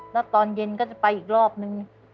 แล้วตอนเย็นก็จะไปอีกรอบนึง